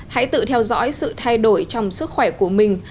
hãy tự theo dõi sự thay đổi trong sức khỏe của mình